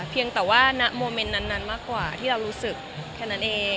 เพียงแต่ว่าณโมเมนต์นั้นมากกว่าที่เรารู้สึกแค่นั้นเอง